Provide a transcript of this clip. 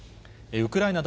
ウクライナ